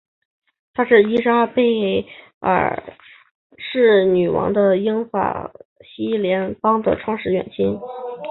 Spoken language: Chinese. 他是伊丽莎白二世女王和英国法西斯联盟创始人的远亲。